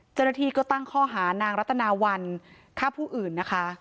จริงก็ตั้งข้อหานางรัตนาวัลคราบผู้อื่นนะคะ